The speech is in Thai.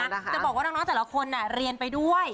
จะบอกว่าน้องแต่ละคนเรียนไปด้วย